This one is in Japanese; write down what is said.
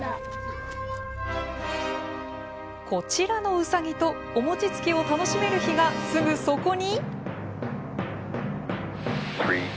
こちらのうさぎとお餅つきを楽しめる日がすぐそこに。